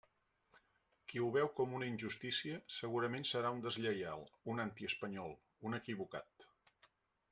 Qui ho veu com una injustícia segurament serà un deslleial, un antiespanyol, un equivocat.